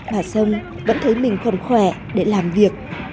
bà sông vẫn thấy mình còn khỏe để làm việc